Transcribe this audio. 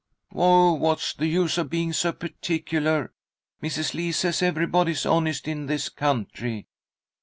"Oh, what's the use of being so particular! Mrs. Lee says everybody is honest out in this country.